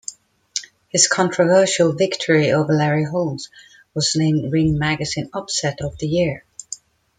His controversial victory over Larry Holmes was named Ring Magazine Upset of the Year.